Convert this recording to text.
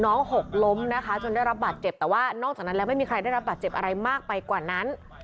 หกล้มนะคะจนได้รับบาดเจ็บแต่ว่านอกจากนั้นแล้วไม่มีใครได้รับบาดเจ็บอะไรมากไปกว่านั้น